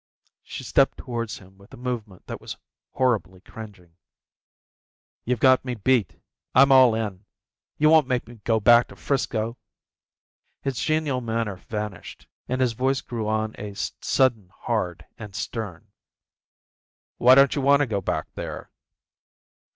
She stepped towards him with a movement that was horribly cringing. "You've got me beat. I'm all in. You won't make me go back to 'Frisco?" His genial manner vanished and his voice grew on a sudden hard and stern. "Why don't you want to go back there?"